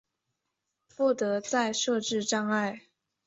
不得再设置障碍